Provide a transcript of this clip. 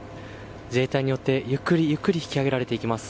自衛隊によってゆっくりゆっくり引き揚げられていきます。